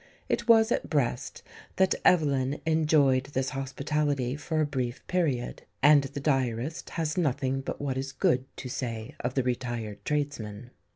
It was at Brest that Evelyn enjoyed this hospitality for a brief period; and the diarist has nothing but what is good to say of the retired tradesman.